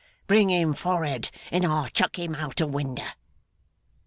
'Bring him for'ard, and I'll chuck him out o' winder!